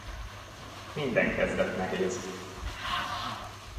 Minden kezdet nehéz.